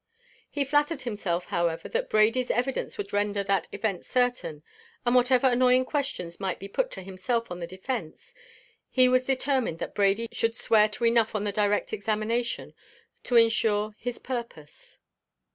He flattered himself, however, that Brady's evidence would render that event certain; and whatever annoying questions might be put to himself on the defence, he was determined that Brady should swear to enough on the direct examination to ensure his purpose.